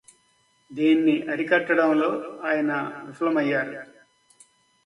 దీన్ని అరికట్టడంలో ఆయన విఫలమయ్యారు